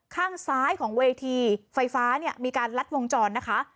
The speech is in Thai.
ข้างซ้ายของเวทีไฟฟ้าเนี่ยมีการลัดวงจรนะคะ